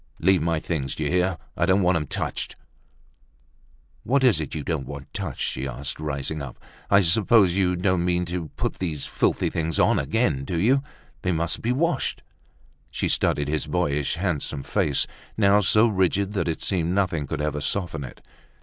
"Leave my things, d'ye hear? I don't want 'em touched!" "What's it you don't want touched?" she asked, rising up. "I suppose you don't mean to put these filthy things on again, do you? They must be washed." She studied his boyishly handsome face, now so rigid that it seemed nothing could ever soften it.